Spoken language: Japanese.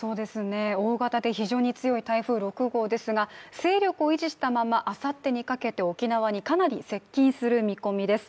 大型で非常に激しい台風６号ですが勢力を維持したまま、あさってにかけて沖縄にかなり接近する見込みです。